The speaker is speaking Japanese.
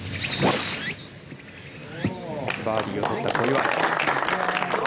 バーディーを取った小祝。